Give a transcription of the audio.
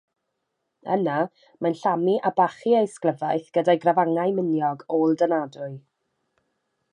Yna, mae'n llamu a bachu ei ysglyfaeth gyda'i grafangau miniog, ôl-dynadwy.